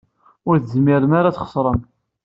Ur tezmirem ara ad txeṣrem.